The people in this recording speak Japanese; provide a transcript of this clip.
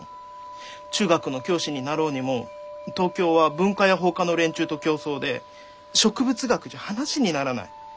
中学の教師になろうにも東京は文科や法科の連中と競争で植物学じゃ話にならない。